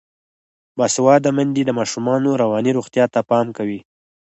باسواده میندې د ماشومانو رواني روغتیا ته پام کوي.